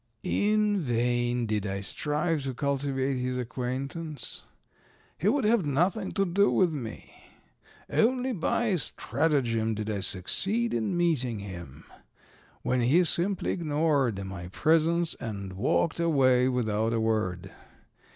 In vain did I strive to cultivate his acquaintance. He would have nothing to do with me. Only by stratagem did I succeed in meeting him, when he simply ignored my presence and walked away without a word.